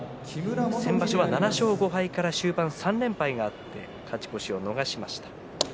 先場所は７勝５敗から終盤３連敗があって勝ち越しを逃しました。